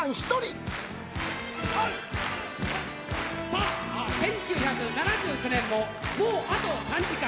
さあ、１９７９年も、もうあと３時間。